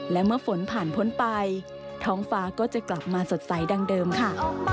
และเมื่อฝนผ่านพ้นไปท้องฟ้าก็จะกลับมาสดใสดังเดิมค่ะ